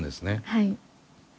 はい。